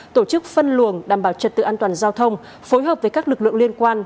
tổ chức phân luồng đảm bảo trật tự an toàn giao thông phối hợp với các lực lượng liên quan